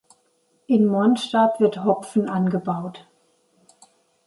In Monstab wird Hopfen angebaut.